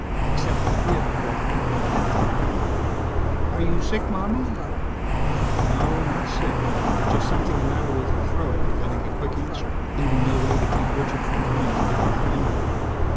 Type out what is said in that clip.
Except that it brought death ... "Are you sick, Mommie?" No, not sick. Just something the matter with her throat, preventing a quick answer, leaving no way to keep Richard from turning to look out the window.